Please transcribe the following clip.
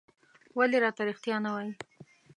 ولې راته رېښتيا نه وايې؟